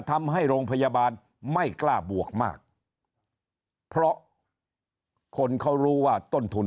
ทำให้โรงพยาบาลไม่กล้าบวกมากเพราะคนเขารู้ว่าต้นทุน